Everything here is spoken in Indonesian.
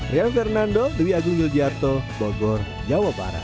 rian fernando dewi agung yulgiarto bogor jawa barat